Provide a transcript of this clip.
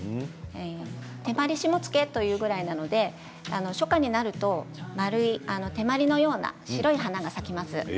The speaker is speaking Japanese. テマリシモツケというぐらいなので初夏になると丸い手まりのような白い花が咲きます。